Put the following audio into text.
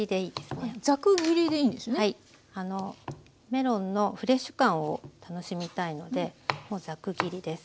メロンのフレッシュ感を楽しみたいのでもうザク切りです。